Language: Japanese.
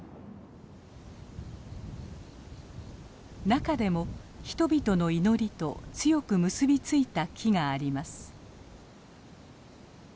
中でも人々の祈りと強く結び付いた木があります。